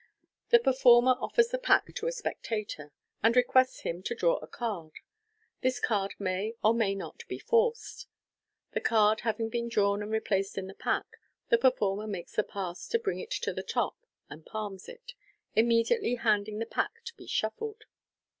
The performer offers the pack to a spectator, and requests him to draw a card. (This card may or may not be a forced.") The card having been drawn and replaced tn the pack, the performer makes the pass to bring it to the top, and palms it, immediately handing the pack to be shuffled.